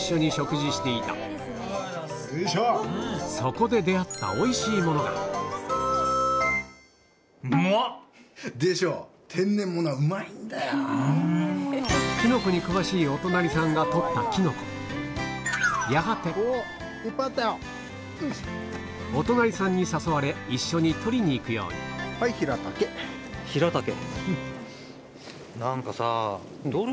そこで出合ったおいしいものがキノコに詳しいやがてお隣さんに誘われ一緒に採りに行くようにヒラタケ。